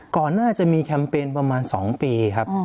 ก่อนหน้าจะมีแคมเปญประมาณ๒ปีครับ